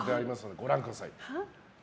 ご覧ください。